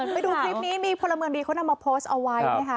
ไปดูคลิปนี้มีพลเมืองดีเขานำมาโพสต์เอาไว้นะคะ